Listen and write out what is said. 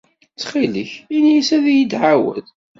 Ttxil-k, ini-as ad iyi-d-tɛawed.